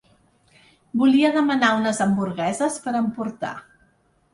Volia demanar unes hamburgueses per emportar.